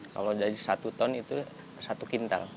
kalau dari satu ton itu satu kintal